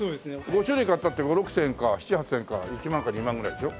５種類買ったって５６千円か７８千円か１万か２万ぐらいでしょ？